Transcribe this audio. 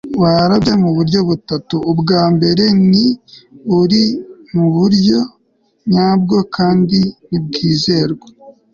waraga mu buryo butatu.ubwa mbere ntiburi mu buryo nyabwo kandi ntibwizerwa